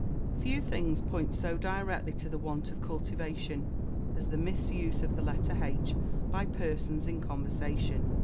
Few things point so directly to the want of cultivation as the misuse of the letter H by persons in conversation.